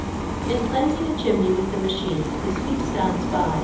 In cb'ansin^ a thininey with the machine the ' ^werp stands by.